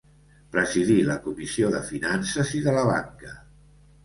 Presidí la Comissió de Finances i de la Banca.